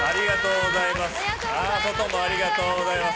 ありがとうございます。